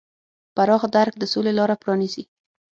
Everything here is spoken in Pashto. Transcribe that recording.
پراخ درک د سولې لاره پرانیزي.